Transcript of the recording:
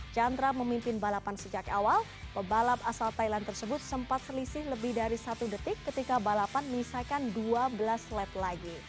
chandra memimpin balapan sejak awal pebalap asal thailand tersebut sempat selisih lebih dari satu detik ketika balapan misalkan dua belas let lagi